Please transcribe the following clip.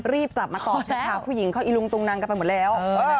รีบกลับมาตอบเถอะค่ะผู้หญิงเขาอีลุงตุงนังกันไปหมดแล้ว